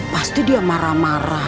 pasti dia marah marah